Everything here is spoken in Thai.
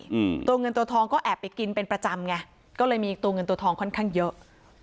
อืมตัวเงินตัวทองก็แอบไปกินเป็นประจำไงก็เลยมีตัวเงินตัวทองค่อนข้างเยอะ